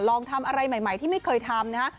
ลองทำอะไรใหม่ที่ไม่เคยทำนะฮะ